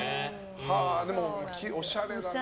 でも、おしゃれだな。